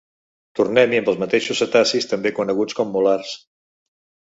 Tornem-hi amb els mateixos cetacis, també coneguts com mulars.